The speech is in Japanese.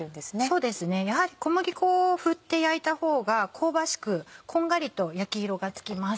そうですねやはり小麦粉を振って焼いた方が香ばしくこんがりと焼き色がつきます。